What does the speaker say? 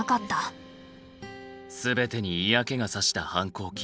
全てに嫌気がさした反抗期。